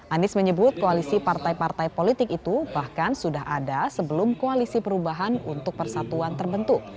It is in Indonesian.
anies menyebut koalisi partai partai politik itu bahkan sudah ada sebelum koalisi perubahan untuk persatuan terbentuk